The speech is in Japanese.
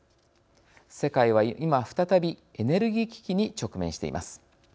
世界は今再びエネルギー危機に直面しています。